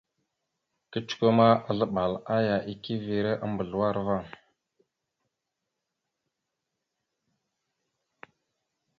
Kecəkwe ma, azləɓal aya ekeve a mbazləwar va.